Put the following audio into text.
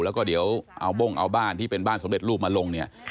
แล้วก็เดี๋ยวเอาบ้งเอาบ้านที่เป็นบ้านสำเร็จรูปมาลงเนี่ย